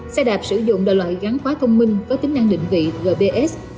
xe đạp sử dụng đòi lợi gắn khóa công minh có tính năng định vị gbs